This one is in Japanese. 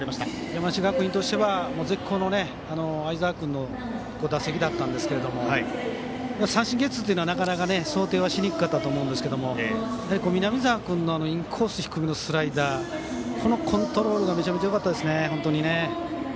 山梨学院としては、絶好の相澤君の打席だったんですが三振ゲッツーというのはなかなか想定しにくかったと思いますが南澤君のインコース低めのスライダーこのコントロールがめちゃめちゃよかったですね。